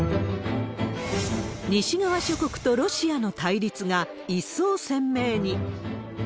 西側諸国とロシアの対立が一層鮮明に。